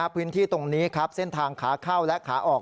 พื้นที่ตรงนี้ครับเส้นทางขาเข้าและขาออก